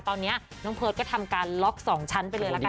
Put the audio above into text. ตอนนี้น้องเพิร์ตก็ทำการล็อก๒ชั้นไปเลยละกัน